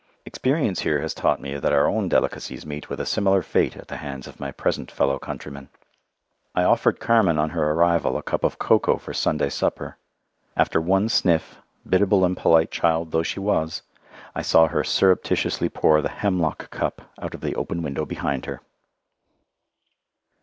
Experience here has taught me that our own delicacies meet with a similar fate at the hands of my present fellow countrymen. I offered Carmen on her arrival a cup of cocoa for Sunday supper. After one sniff, biddable and polite child though she was, I saw her surreptitiously pour the "hemlock cup" out of the open window behind her.